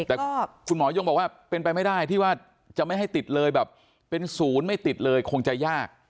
แต่คุณหมอยงบอกว่าเป็นไปไม่ได้ที่ว่าจะไม่ให้ติดเลยแบบเป็นศูนย์ไม่ติดเลยคงจะยาก